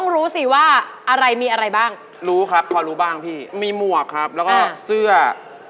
ราคาถูกเทพสุด